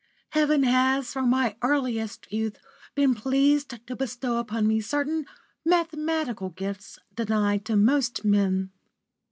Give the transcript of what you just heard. Heaven has from my earliest youth been pleased to bestow upon me certain mathematical gifts denied to most men.